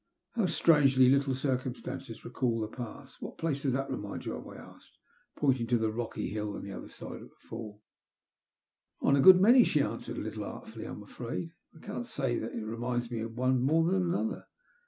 How strangely little circumstances recall the past. What place does that remind you of?" I asked, pointing to the rocky hill on the other aide of the faU. Of a good many," she answered, a little artfully, I'm afraid. 1 cannot say that it reminds me of one more than another.